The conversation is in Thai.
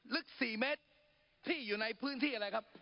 ลึก๔เมตรที่อยู่ในพื้นที่อะไรครับ